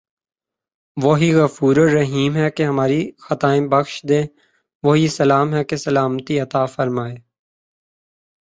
وہی غفورالرحیم ہے کہ ہماری خطائیں بخش دے وہی سلام ہے کہ سلامتی عطافرمائے